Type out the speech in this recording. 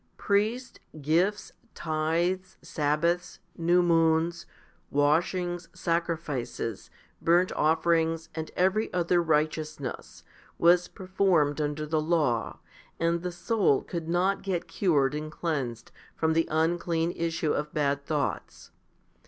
Priests, gifts, tithes, sabbaths, new moons, washings, sacri fices, burnt offerings, and every other righteousness, was performed under the law, and the soul could not get cured and cleansed from the unclean issue of bad thoughts.